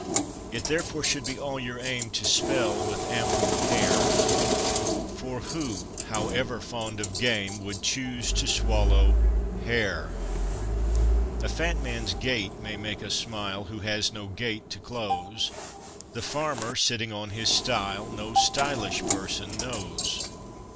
It therefore should be all your aim to spell with ample care; For who, however fond of game, would choose to swallow hair? A fat man's gait may make us smile, who has no gate to close; The farmer, sitting on his stile no _sty_lish person knows.